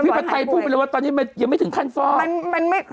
ผัดไทยพูดไปเลยว่าตอนนี้มันยังไม่ถึงขั้นฟอก